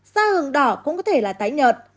da hương đỏ cũng có thể là tái nhợt